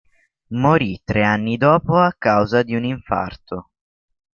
Morì tre anni dopo a causa di un infarto.